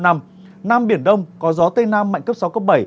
nam biển đông có gió tây nam mạnh cấp sáu cấp bảy